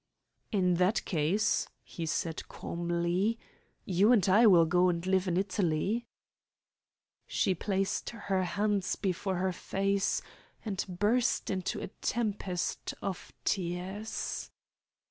"In that case," he said calmly, "you and I will go and live in Italy." She placed her hands before her face, and burst into a tempest of tears.